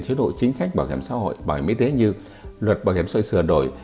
chế độ chính sách bảo hiểm xã hội bảo hiểm y tế như luật bảo hiểm xã hội sửa đổi